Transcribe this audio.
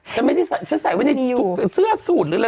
ฉันไม่ได้ใส่ฉันใส่ไว้ในทุกเสื้อสูตรหรืออะไร